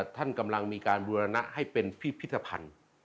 ท่านกำลังมีการบูรณะให้เป็นพิพิธภัณฑ์